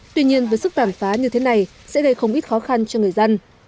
tuy nhiên với sức tàn phá như thế này sẽ gây không ít khó khăn cho người dân